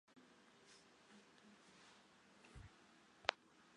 Cinder cones dot the landscape of the Snake River Plain.